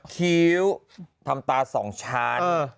คิ้วทำตาสองชาติ